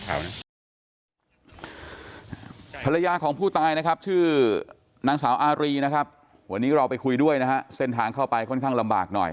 คือภรรยาของผู้ตายชื่อนางสาวอารีวันนี้เราไปคุยด้วยเส้นทางเข้าไปค่อนข้างลำบากหน่อย